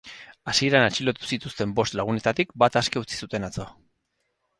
Hasieran atxilotu zituzten bost lagunetatik bat aske utzi zuten atzo.